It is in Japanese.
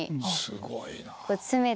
すごいな。